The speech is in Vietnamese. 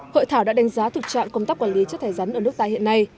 hội thảo đã đánh giá thực trạng công tác quản lý chất thải rắn ở nước ta hiện nay